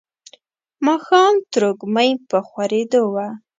ماښام تروږمۍ په خورېدو وه.